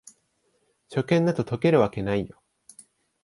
初見だと解けるわけないよ